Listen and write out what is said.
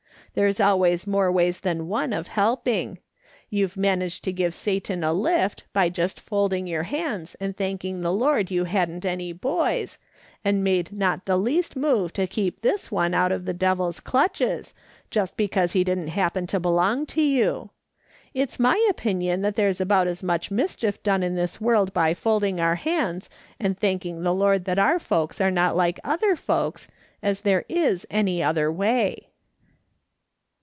There's more ways than one of helping; you've managed to give Satan a lift by just folding your hands and thanking the Lord you hadn't any boys, and made not the least move to keep this one out of the devil's clutches, just because he didn't happen to belong to you ! It's my opinion that there's about as much mischief done in this world by folding our hands and thanking the Lord that our folks are not like other folks, as there is any other way.'